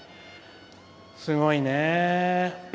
すごいね。